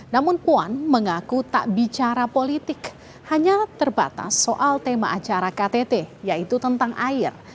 namun puan mengaku tak bicara politik hanya terbatas soal tema acara ktt yaitu tentang air